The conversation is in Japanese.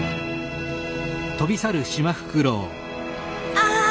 あ！